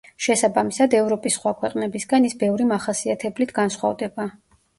შესაბამისად, ევროპის სხვა ქვეყნებისგან ის ბევრი მახასიათებლით განსხვავდება.